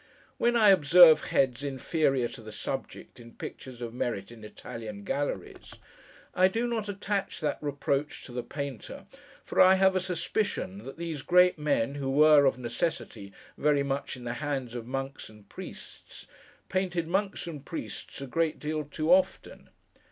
When I observe heads inferior to the subject, in pictures of merit, in Italian galleries, I do not attach that reproach to the Painter, for I have a suspicion that these great men, who were, of necessity, very much in the hands of monks and priests, painted monks and priests a great deal too often.